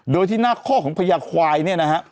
โดยที่หน้าข้อของพญาควายเนี่ยนะฮะ